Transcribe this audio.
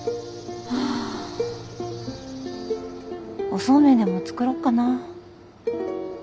おそうめんでも作ろうかな。